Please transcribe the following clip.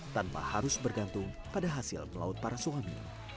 tanpa harus bergantung pada hasil melaut para suami